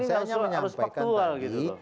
ini harus menyebutkan tadi